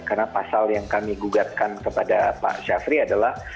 karena pasal yang kami gugatkan kepada pak syafri adalah